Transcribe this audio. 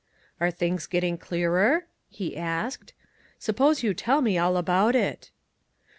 "Are things getting clearer?" he asked. " Suppose you tell me all about it